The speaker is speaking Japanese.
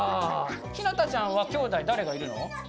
ひなたちゃんはきょうだい誰がいるの？